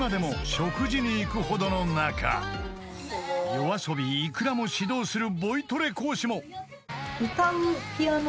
［ＹＯＡＳＯＢＩｉｋｕｒａも指導するボイトレ講師も］